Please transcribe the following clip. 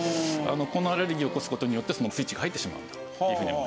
このアレルギーを起こす事によってそのスイッチが入ってしまうと。